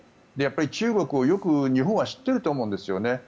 やっぱり中国をよく日本は知ってると思うんですよね。